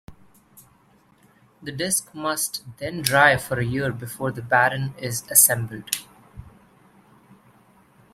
The disk must then dry for a year before the baren is assembled.